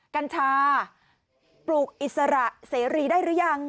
กัญชาปลูกอิสระเสรีได้หรือยัง